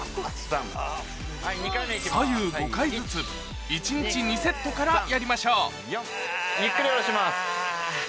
左右５回ずつ１日２セットからやりましょうゆっくり下ろします。